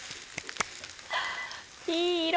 いい色！